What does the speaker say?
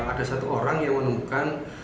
ada satu orang yang menemukan